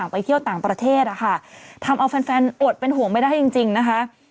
ไปเที่ยวต่างประเทศนะคะทำเอาแฟนอดเป็นห่วงไม่ได้จริงนะคะ